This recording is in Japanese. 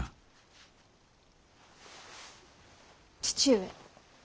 父上。